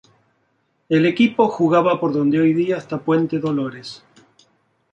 El equipo jugaba por donde hoy día está Puente Dolores.